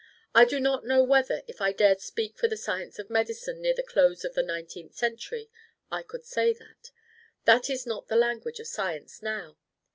I do not know whether, if I dared speak for the science of medicine near the close of the nineteenth century, I could say that. That is not the language of science now.